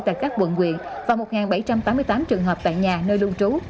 tại các quận quyện và một bảy trăm tám mươi tám trường hợp tại nhà nơi lưu trú